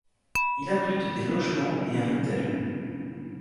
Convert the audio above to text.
Il abrite des logements et un hôtel.